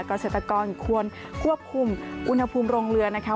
เกษตรกรควรควบคุมอุณหภูมิโรงเรือนะคะ